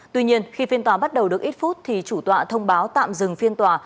tuy nhiên khi phiên tòa bắt đầu được ít phút thì chủ tọa thông báo tạm dừng phiên tòa